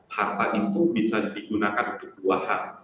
harta itu bisa digunakan untuk dua hal